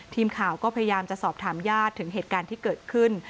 ทีมข่าวก็พยายามจะสอบถามญาติถึงเหตุการณ์ที่เกิดขึ้น